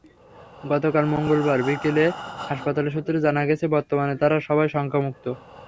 গতকাল মঙ্গলবার বিকেলে হাসপাতাল সূত্রে জানা গেছে, বর্তমানে তারা সবাই শঙ্কামুক্ত।